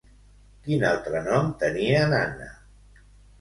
Quin altre nom tenia Nanna?